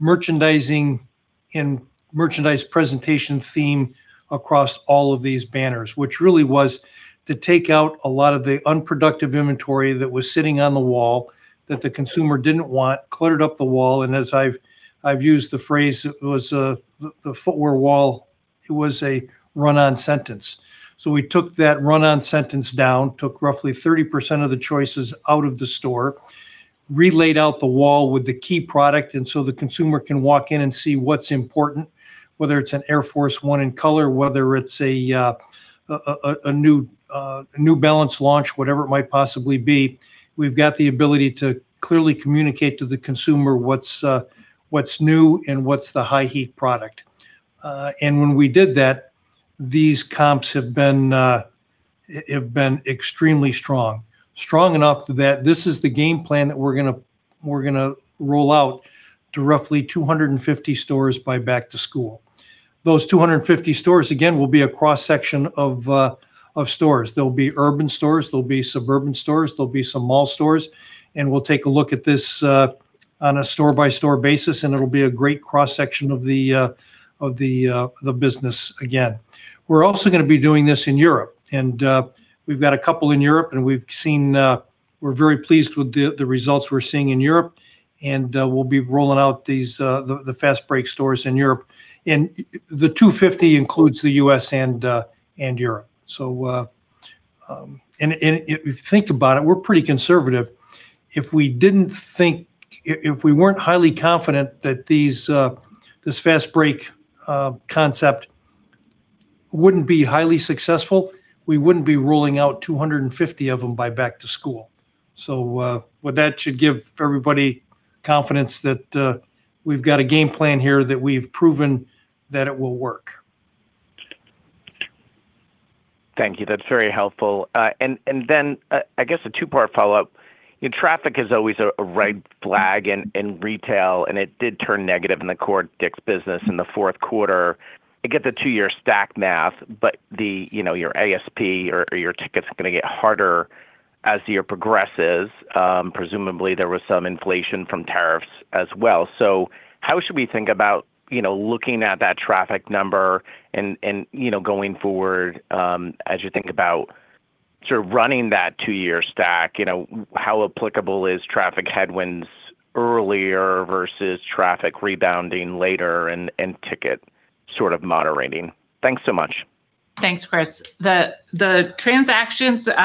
C: merchandising and merchandise presentation theme across all of these banners, which really was to take out a lot of the unproductive inventory that was sitting on the wall that the consumer didn't want, cleared up the wall, and as I've used the phrase, it was the footwear wall, it was a run-on sentence. We took that run-on sentence down, took roughly 30% of the choices out of the store, relaid out the wall with the key product, and the consumer can walk in and see what's important, whether it's an Air Force 1 in color, whether it's a New Balance launch, whatever it might possibly be. We've got the ability to clearly communicate to the consumer what's new and what's the high heat product. When we did that, these comps have been extremely strong. Strong enough that this is the game plan that we're gonna roll out to roughly 250 stores by back to school. Those 250 stores, again, will be a cross-section of stores. There'll be urban stores, there'll be suburban stores, there'll be some mall stores, and we'll take a look at this on a store-by-store basis, and it'll be a great cross-section of the business again. We're also gonna be doing this in Europe, and we've got a couple in Europe, and we've seen we're very pleased with the results we're seeing in Europe, and we'll be rolling out these the Fast Break stores in Europe. The 250 includes the U.S. and Europe. If you think about it, we're pretty conservative. If we weren't highly confident that this Fast Break concept wouldn't be highly successful, we wouldn't be rolling out 250 of them by back to school. What that should give everybody confidence that we've got a game plan here that we've proven that it will work.
J: Thank you. That's very helpful. I guess a two-part follow-up. You know, traffic is always a red flag in retail, and it did turn negative in the core DICK'S business in the fourth quarter. I get the two-year stack math, but you know, your ASP or your ticket's gonna get harder as the year progresses. Presumably there was some inflation from tariffs as well. How should we think about you know, looking at that traffic number and you know, going forward, as you think about sort of running that two-year stack, you know, how applicable is traffic headwinds earlier versus traffic rebounding later and ticket sort of moderating? Thanks so much.
D: Thanks, Chris. The transactions in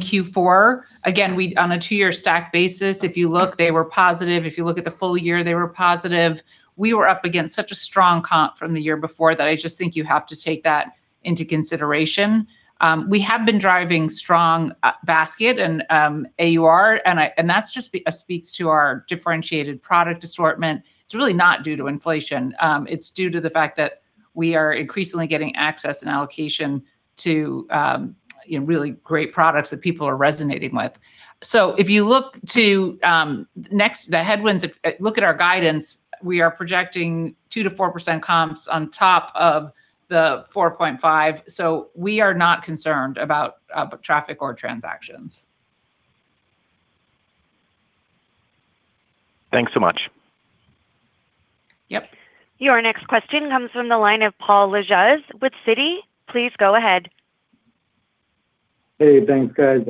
D: Q4, again, on a two-year stack basis, if you look, they were positive. If you look at the full year, they were positive. We were up against such a strong comp from the year before that I just think you have to take that into consideration. We have been driving strong basket and AUR, and that's just speaks to our differentiated product assortment. It's really not due to inflation. It's due to the fact that we are increasingly getting access and allocation to you know, really great products that people are resonating with. If you look to the headwinds. Look at our guidance, we are projecting 2%-4% comps on top of the 4.5%, so we are not concerned about traffic or transactions.
J: Thanks so much.
D: Yep.
A: Your next question comes from the line of Paul Lejuez with Citigroup. Please go ahead.
K: Hey, thanks guys.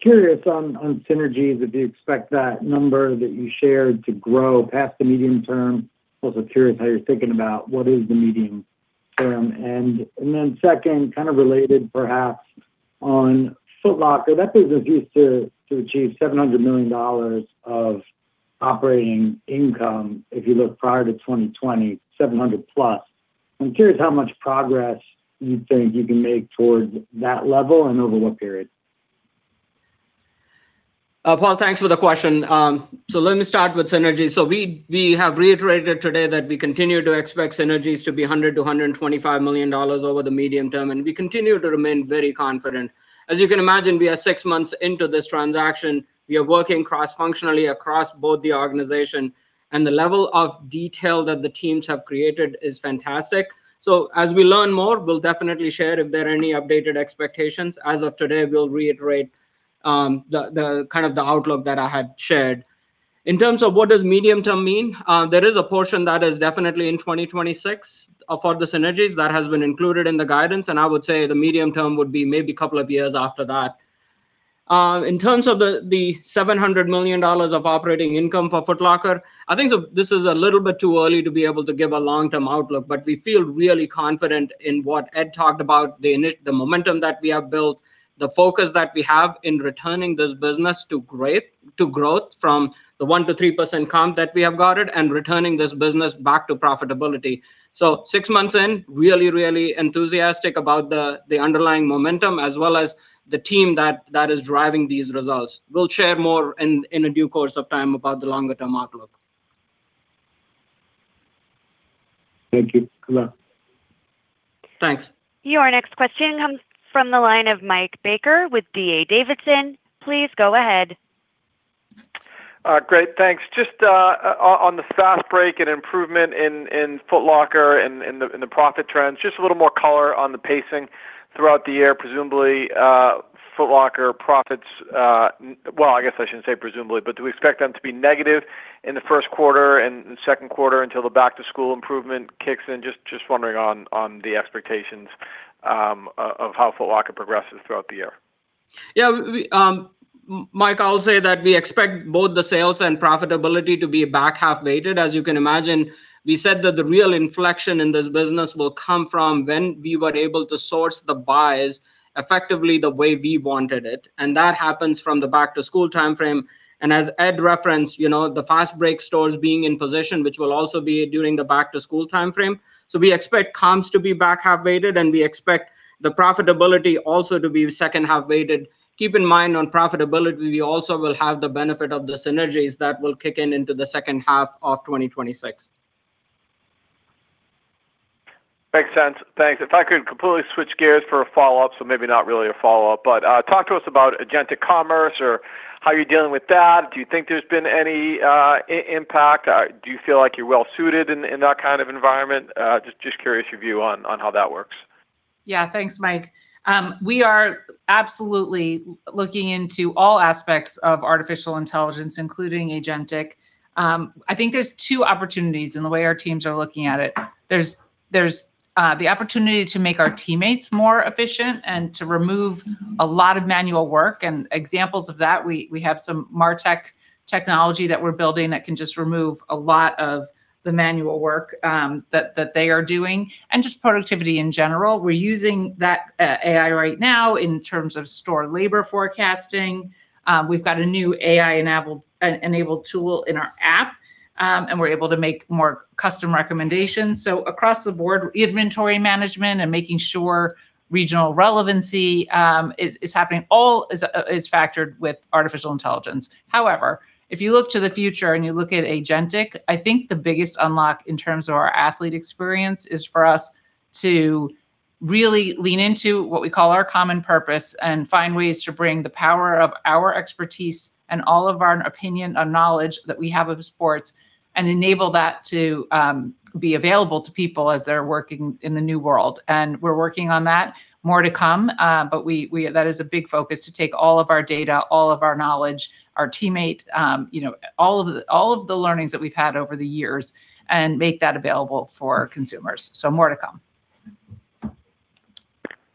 K: Curious on synergies, if you expect that number that you shared to grow past the medium term. Also curious how you're thinking about what is the medium term. Then second, kind of related perhaps on Foot Locker, that business used to achieve $700 million of operating income, if you look prior to 2020, $700 million plus. I'm curious how much progress you think you can make towards that level and over what period.
E: Paul, thanks for the question. Let me start with synergies. We have reiterated today that we continue to expect synergies to be $100 million-$225 million over the medium term, and we continue to remain very confident. As you can imagine, we are six months into this transaction. We are working cross-functionally across both the organization, and the level of detail that the teams have created is fantastic. As we learn more, we'll definitely share if there are any updated expectations. As of today, we'll reiterate the kind of the outlook that I had shared. In terms of what does medium term mean, there is a portion that is definitely in 2026 for the synergies that has been included in the guidance, and I would say the medium term would be maybe couple of years after that. In terms of the $700 million of operating income for Foot Locker, I think so this is a little bit too early to be able to give a long-term outlook. We feel really confident in what Ed talked about, the momentum that we have built, the focus that we have in returning this business to growth from the 1%-3% comp that we have got it and returning this business back to profitability. Six months in, really enthusiastic about the underlying momentum as well as the team that is driving these results. We'll share more in a due course of time about the longer term outlook.
K: Thank you.
E: Thanks.
A: Your next question comes from the line of Mike Baker with D.A. Davidson. Please go ahead.
L: Great, thanks. Just on the Fast Break and improvement in Foot Locker and the profit trends, just a little more color on the pacing throughout the year. Presumably, Foot Locker profits. Well, I guess I shouldn't say presumably, but do we expect them to be negative in the first quarter and second quarter until the back-to-school improvement kicks in? Just wondering on the expectations of how Foot Locker progresses throughout the year.
E: Mike, I'll say that we expect both the sales and profitability to be back-half weighted. As you can imagine, we said that the real inflection in this business will come from when we were able to source the buys effectively the way we wanted it, and that happens from the back-to-school timeframe. As Ed referenced, you know, the Fast Break stores being in position, which will also be during the back-to-school timeframe. We expect comps to be back-half weighted, and we expect the profitability also to be second-half weighted. Keep in mind on profitability, we also will have the benefit of the synergies that will kick in into the second half of 2026.
L: Makes sense. Thanks. If I could completely switch gears for a follow-up. Maybe not really a follow-up. Talk to us about agentic commerce or how you're dealing with that. Do you think there's been any impact? Do you feel like you're well-suited in that kind of environment? Just curious your view on how that works.
D: Yeah. Thanks, Mike. We are absolutely looking into all aspects of artificial intelligence, including agentic. I think there's two opportunities in the way our teams are looking at it. There's the opportunity to make our teammates more efficient and to remove a lot of manual work, and examples of that, we have some MarTech technology that we're building that can just remove a lot of the manual work that they are doing and just productivity in general. We're using that AI right now in terms of store labor forecasting. We've got a new AI-enabled tool in our app, and we're able to make more custom recommendations. Across the board, inventory management and making sure regional relevancy is happening, all is factored with artificial intelligence. However, if you look to the future and you look at agentic, I think the biggest unlock in terms of our athlete experience is for us to really lean into what we call our common purpose and find ways to bring the power of our expertise and all of our opinion and knowledge that we have of sports and enable that to be available to people as they're working in the new world. We're working on that. More to come. That is a big focus to take all of our data, all of our knowledge, our teammate, you know, all of the learnings that we've had over the years and make that available for consumers. More to come.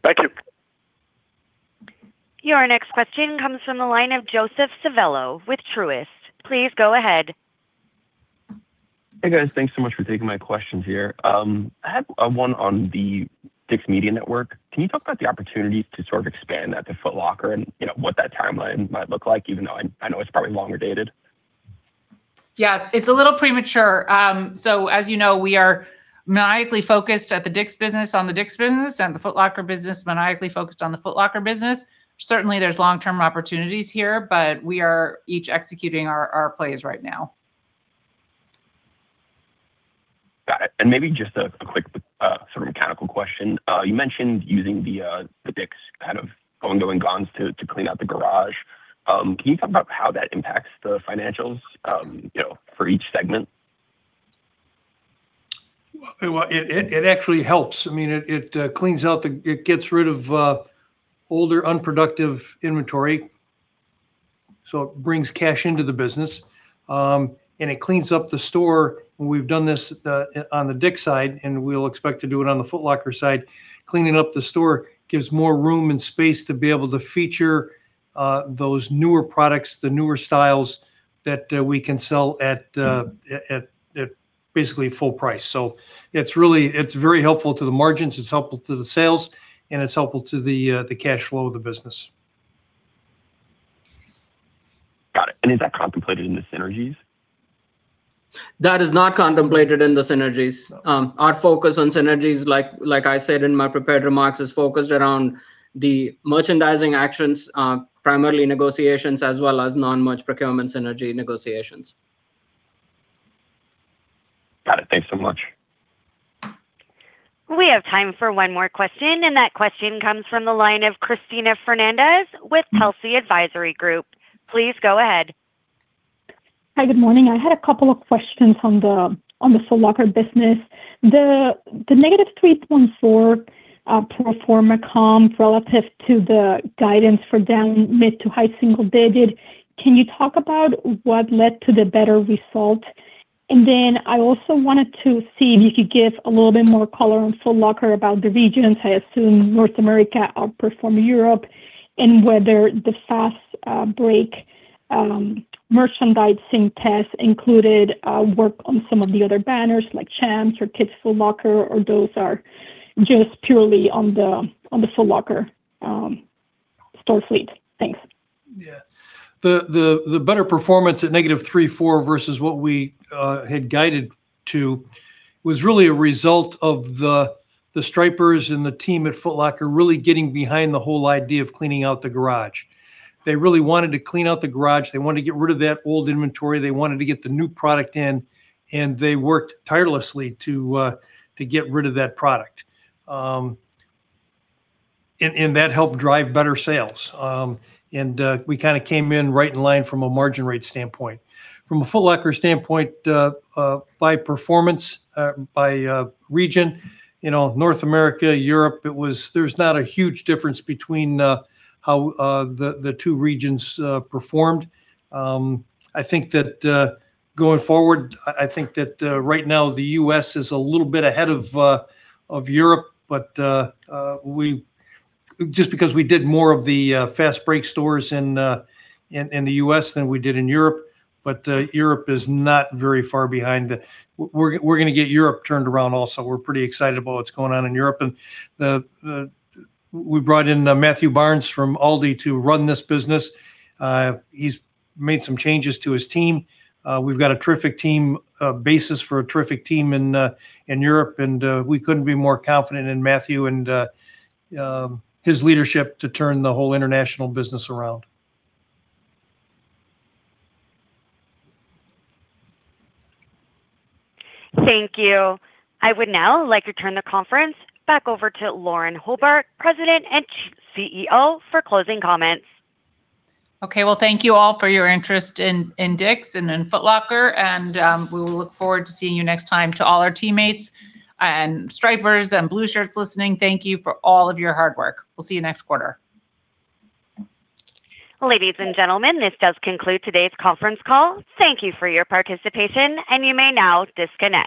L: Thank you.
A: Your next question comes from the line of Joseph Civello with Truist. Please go ahead.
M: Hey, guys. Thanks so much for taking my questions here. I had one on the DICK'S Media Network. Can you talk about the opportunities to sort of expand that to Foot Locker and, you know, what that timeline might look like, even though I know it's probably longer dated?
D: Yeah, it's a little premature. As you know, we are maniacally focused on the DICK'S business and the Foot Locker business, maniacally focused on the Foot Locker business. Certainly, there's long-term opportunities here, but we are each executing our plays right now.
M: Got it. Maybe just a quick sort of mechanical question. You mentioned using the DICK'S kind of ongoing Going, Gone's to clean out the garage. Can you talk about how that impacts the financials, you know, for each segment?
C: It actually helps. I mean, it cleans out the. It gets rid of older, unproductive inventory, so it brings cash into the business. It cleans up the store. When we've done this, on the DICK'S side, and we'll expect to do it on the Foot Locker side, cleaning up the store gives more room and space to be able to feature those newer products, the newer styles that we can sell at basically full price. It's really very helpful to the margins, it's helpful to the sales, and it's helpful to the cash flow of the business.
M: Got it. Is that contemplated in the synergies?
E: That is not contemplated in the synergies. Our focus on synergies, like I said in my prepared remarks, is focused around the merchandising actions, primarily negotiations as well as non-merch procurement synergy negotiations.
M: Got it. Thanks so much.
A: We have time for one more question, and that question comes from the line of Cristina Fernandez with Telsey Advisory Group. Please go ahead.
N: Hi, good morning. I had a couple of questions on the Foot Locker business. The negative 3.4% pro forma comp relative to the guidance for down mid- to high-single-digit, can you talk about what led to the better result? I also wanted to see if you could give a little bit more color on Foot Locker about the regions. I assume North America outperformed Europe, and whether the Fast Break merchandising tests included work on some of the other banners like Champs or Kids Foot Locker, or those are just purely on the Foot Locker store fleet. Thanks.
C: Yeah. The better performance at -3.4% versus what we had guided to was really a result of the Stripers and the team at Foot Locker really getting behind the whole idea of cleaning out the garage. They really wanted to clean out the garage. They wanted to get rid of that old inventory. They wanted to get the new product in, and they worked tirelessly to get rid of that product. That helped drive better sales. We kinda came in right in line from a margin rate standpoint. From a Foot Locker standpoint, by performance, by region, you know, North America, Europe, it was. There's not a huge difference between how the two regions performed. I think that going forward, right now the U.S. is a little bit ahead of Europe, but just because we did more of the Fast Break stores in the U.S. than we did in Europe, but Europe is not very far behind. We're gonna get Europe turned around also. We're pretty excited about what's going on in Europe. We brought in Matthew Barnes from Aldi to run this business. He's made some changes to his team. We've got a terrific team, a basis for a terrific team in Europe, and we couldn't be more confident in Matthew and his leadership to turn the whole international business around.
A: Thank you. I would now like to turn the conference back over to Lauren Hobart, President and CEO, for closing comments.
D: Okay. Well, thank you all for your interest in DICK'S and in Foot Locker, and we will look forward to seeing you next time. To all our teammates and stripers and blue shirts listening, thank you for all of your hard work. We'll see you next quarter.
A: Ladies and gentlemen, this does conclude today's conference call. Thank you for your participation, and you may now disconnect.